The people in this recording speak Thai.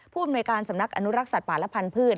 อำนวยการสำนักอนุรักษ์สัตว์ป่าและพันธุ์